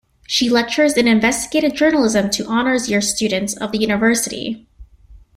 She lectures in investigative journalism to honours year students of the University.